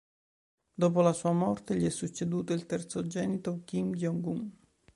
Dopo la sua morte gli è succeduto il terzogenito Kim Jong-un.